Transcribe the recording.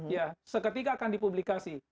ya seketika akan dipublikasi